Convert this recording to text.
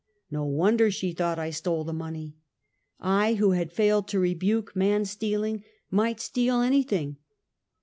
'No wonder she thought I stole the money. I, who had failed to rebuke man stealing, might steal anything.